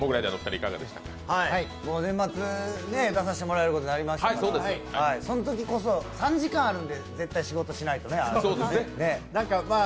年末、出させてもらえることになりましたからそのときこそ、３時間あるので、絶対仕事しないとね。